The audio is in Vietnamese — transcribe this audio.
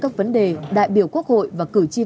các vấn đề đại biểu quốc hội và cử tri